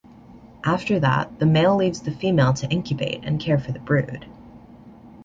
After that, the male leaves the female to incubate and care for the brood.